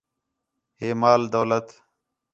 ہِے مال دولت